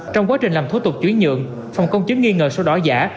trong quá trình làm thủ tục chuyển nhượng phòng công chứng nghi ngờ số đỏ giả